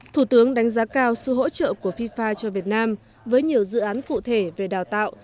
thủ tướng đánh giá cao sự hỗ trợ của fifa cho việt nam với nhiều dự án cụ thể về đào tạo